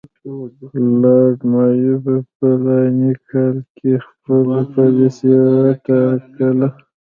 لارډ مایو په فلاني کال کې خپله پالیسي وټاکله.